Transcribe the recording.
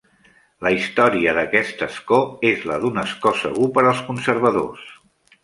La història d'aquest escó és la d'un escó segur per als Conservadors.